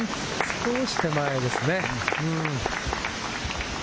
少し左手前ですね。